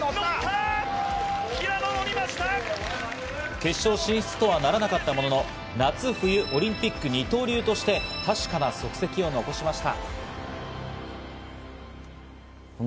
決勝進出とはならなかったものの、夏冬オリンピック二刀流として確かな足跡を残しました。